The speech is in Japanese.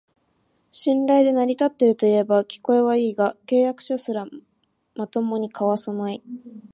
信頼で成り立ってるといえば聞こえはいいが、契約書すらまともに交わさない